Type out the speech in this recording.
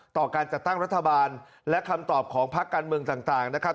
ต่อการจัดตั้งรัฐบาลและคำตอบของพักการเมืองต่างนะครับ